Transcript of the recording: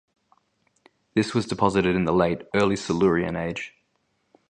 This was deposited in the late early Silurian age.